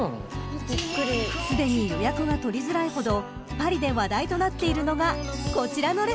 ［すでに予約が取りづらいほどパリで話題となっているのがこちらのレストラン］